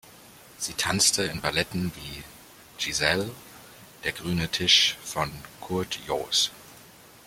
Sie tanzte in Balletten wie "Giselle", "Der grüne Tisch" von Kurt Jooss.